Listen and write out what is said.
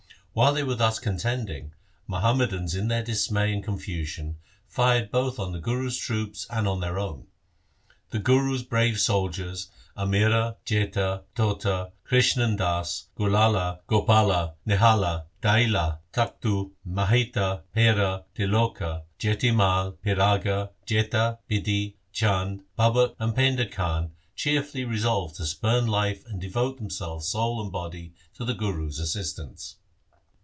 While they were thus contending, Muhammadans in their dismay and confusion fired both on the Guru's troops and on their own. The Guru's brave soldiers, Amira, Jaita, Tota, Krishan Das, Gulala. Gopala, Nihala, Diala, Takhtu, Mahita, Paira, Tiloka, Jati Mai, Piraga, Jetha, Bidhi, Chand, Babak, and Painda Khan cheerfully resolved to spurn life and devote them selves soul and body to the Guru's assistance.